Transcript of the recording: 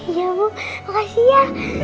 iya bu makasih ya